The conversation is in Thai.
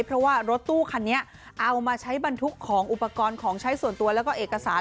เพราะว่ารถตู้คันนี้เอามาใช้บรรทุกของอุปกรณ์ของใช้ส่วนตัวแล้วก็เอกสาร